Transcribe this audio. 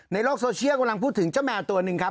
ในโลกโซเชียลกำลังพูดถึงเจ้าแมวตัวหนึ่งครับ